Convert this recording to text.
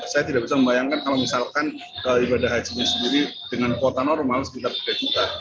saya tidak bisa membayangkan kalau misalkan ibadah hajinya sendiri dengan kuota normal sekitar tiga juta